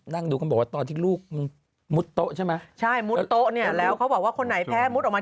นั่งดูก็บอกว่าตอนที่ลูกมันมุดโต๊ะใช่ไหมใช่มุดโต๊ะเนี่ยแล้วเขาบอกว่าคนไหนแพ้มุดออกมา